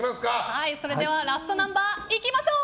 ラストナンバーいきましょう！